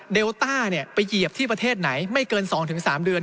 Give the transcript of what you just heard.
ต้าไปเหยียบที่ประเทศไหนไม่เกิน๒๓เดือน